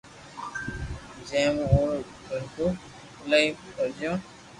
جي مون اورو گر وارو ايلائي پريݾون